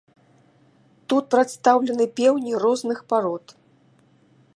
Тут прадстаўлены пеўні розных парод.